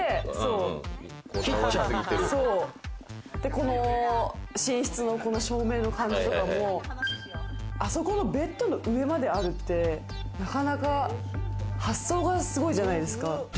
この寝室の照明の感じとかも、あそこのベッドの上まであるってなかなか発想がすごいじゃないですか。